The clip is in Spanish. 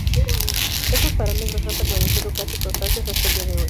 Estos parámetros han permanecido casi constantes hasta el día de hoy.